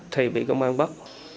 thầy bị công an bắt